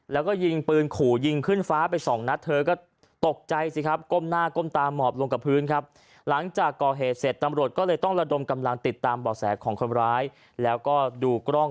แล้วก็ยิงปืนขู่ยิงขึ้นฟ้าไปสองนัด